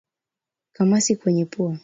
Kamasi kwenye pua